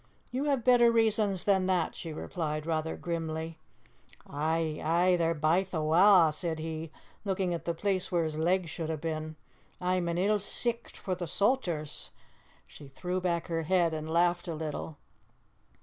"You have better reasons than that," she replied rather grimly. "Aye, aye, they're baith awa'," said he, looking at the place where his legs should have been. "A'm an ill sicht for the soutars!" She threw back her head and laughed a little.